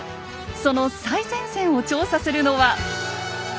その最前線を調査するのは。